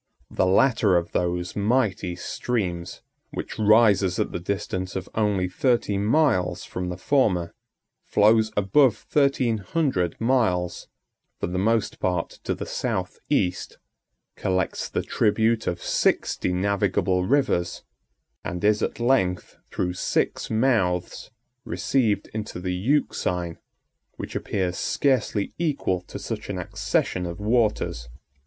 The latter of those mighty streams, which rises at the distance of only thirty miles from the former, flows above thirteen hundred miles, for the most part to the south east, collects the tribute of sixty navigable rivers, and is, at length, through six mouths, received into the Euxine, which appears scarcely equal to such an accession of waters.